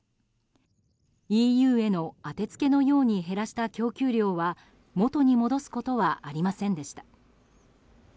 ＥＵへの当てつけのように減らした供給量は元に戻すことはありませんでした。